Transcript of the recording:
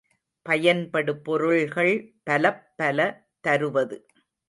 பயன்படு பொருள்கள் பலப் பல தருவது.